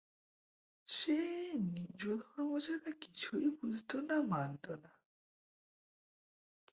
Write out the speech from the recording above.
সে নিজ ধর্ম ছাড়া কিছুই বুঝত না, মানত না।